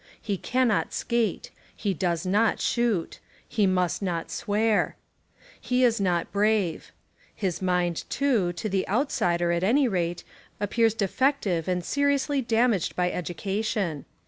He cannot skate. He does not shoot. He must not swear. He is not brave. His mind, too, to the outsider at any rate, appears defective and seriously damaged by education.